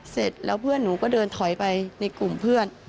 เสร็จแล้วเพื่อนหนูก็เดินถอยไปในกลุ่มเพื่อน